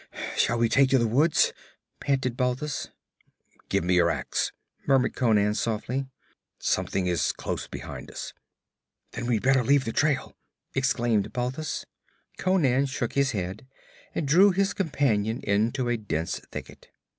'Shall we take to the woods?' panted Balthus. 'Give me your ax,' murmured Conan softly. 'Something is close behind us.' 'Then we'd better leave the trail!' exclaimed Balthus. Conan shook his head and drew his companion into a dense thicket.